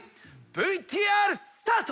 ＶＴＲスタート。